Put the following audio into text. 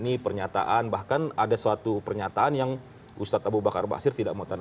ini pernyataan bahkan ada suatu pernyataan yang ustaz abu bakar basir